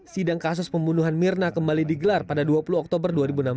sidang kasus pembunuhan mirna kembali digelar pada dua puluh oktober dua ribu enam belas